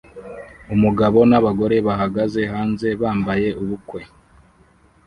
Umugabo n'abagore bahagaze hanze bambaye ubukwe